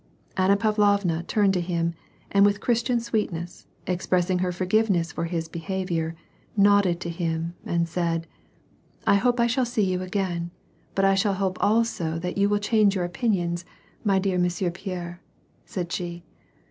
Anna Pavlovna turned to him, and with Christian sweetness expressing her forgiveness for his behavior, nodded to him, and said, — <'I shall hope to see you again, but I shall hope also that 24 W^R ^NI> PEACE, yoa will change your opinions, my dear Monsieur Pierre," said she.